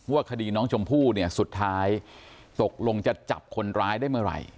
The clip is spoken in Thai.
คดีน้องชมพู่เนี่ยสุดท้ายตกลงจะจับคนร้ายได้เมื่อไหร่